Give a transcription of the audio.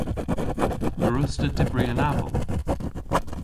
A wruss'ta dybri an aval?